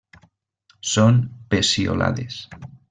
Són peciolades.